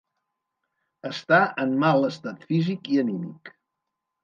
Està en mal estat físic i anímic.